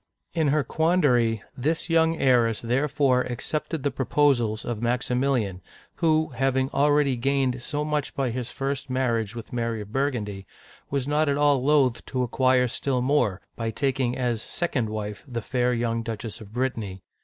In her quandary, this young heiress therefore accepted the proposals of Maximilian, who, having already gained so much by his first marriage with Mary of Burgundy, was not at all loath to acquire still more, by taking as second wife the fair young Duchess of Brittany.